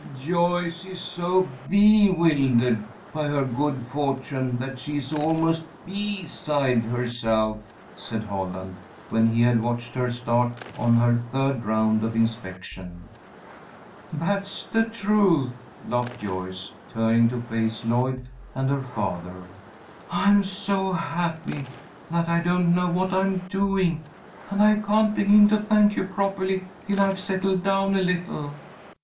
"Joyce is so bee wildered by her good fortune that she is almost bee side herself," said Holland, when he had watched her start on her third round of inspection. "That's the truth," laughed Joyce, turning to face Lloyd and her father. "I'm so happy that I don't know what I'm doing, and I can't begin to thank you properly till I've settled down a little."